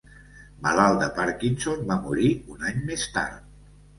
Malalt de Parkinson, va morir un any més tard.